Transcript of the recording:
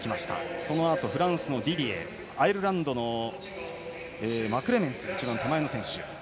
そのあと、フランスのディディエアイルランドのマクレメンツ。